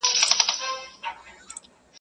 یا د وصل عمر اوږد وای لکه شپې چي د هجران وای..